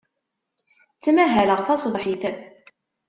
Ttmahaleɣ taṣebḥit.